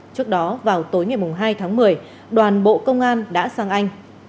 trước đó vào tối ngày hai tháng một mươi đoàn bộ công an đã sang anh